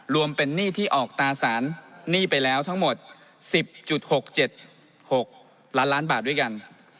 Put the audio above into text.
รวมเป็นหนี้ที่ออกตาสารหนี้ไปแล้วทั้งหมด๑๐๖๗๖ล้านล้านบาทด้วยกัน